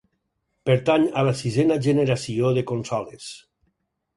Pertany a la sisena generació de consoles.